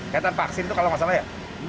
kaitan vaksin itu kalau nggak salah ya